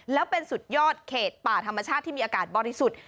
แล้วเป็นสุดยอดเขตป่าธรรมชาติที่มีอากาศบริสุทธิ์